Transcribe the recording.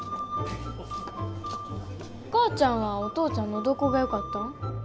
お母ちゃんはお父ちゃんのどこがよかったん？